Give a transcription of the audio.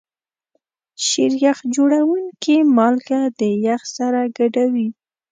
شیریخ جوړونکي مالګه د یخ سره ګډوي.